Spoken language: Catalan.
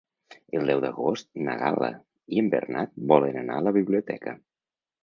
El deu d'agost na Gal·la i en Bernat volen anar a la biblioteca.